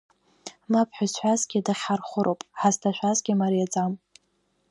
Мап ҳәа зҳәазгьы дахьҳархәыроуп, ҳазҭашәазгьы мариаӡам.